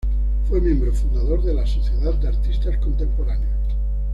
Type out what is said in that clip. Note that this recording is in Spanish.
Fue miembro fundador de la Sociedad de Artistas Contemporáneos.